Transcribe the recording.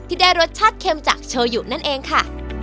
ได้รสชาติเค็มจากโชยุนั่นเองค่ะ